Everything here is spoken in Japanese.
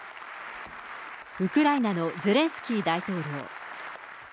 ウクライナのゼレンスキー大統領。